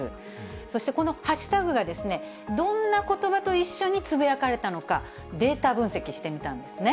そして、このハッシュタグがどんなことばと一緒につぶやかれたのか、データ分析してみたんですね。